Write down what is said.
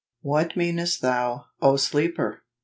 " What meanest thou, 0 sleeper